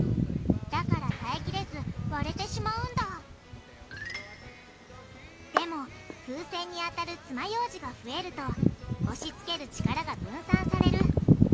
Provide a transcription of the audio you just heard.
だから耐えきれず割れてしまうんだでも風船に当たるつまようじが増えると押しつける力が分散される。